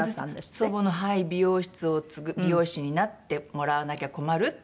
祖母の美容室を継ぐ美容師になってもらわなきゃ困るって言われたんですって。